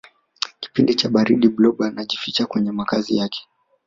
kipindi cha baridi blob anajificha kwenye makazi yake